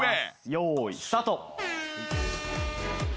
用意スタート。